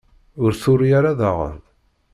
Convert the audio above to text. Ur turi ara daɣen.